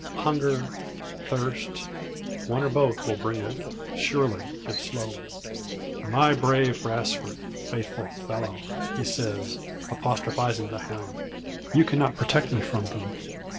Hunger, thirst, one or both will bring it, surely if slowly. "My brave Brasfort! faithful fellow!" he says apostrophising the hound; "You cannot protect me from them.